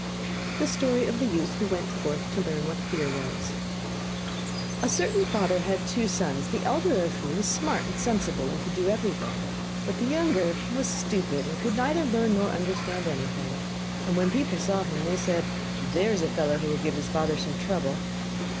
THE STORY OF THE YOUTH WHO WENT FORTH TO LEARN WHAT FEAR WAS A certain father had two sons, the elder of who was smart and sensible, and could do everything, but the younger was stupid and could neither learn nor understand anything, and when people saw him they said: 'There's a fellow who will give his father some trouble!